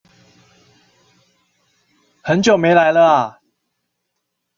很久沒來了啊！